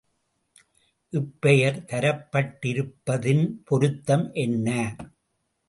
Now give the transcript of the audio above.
இப்பெயர் தரப்பட்டிருப்பதின் பொருத்தம் என்ன?